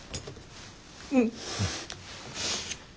うん。